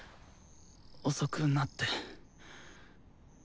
遅くなって。